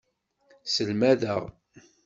Selmadeɣ.